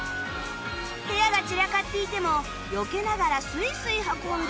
部屋が散らかっていてもよけながらスイスイ運んで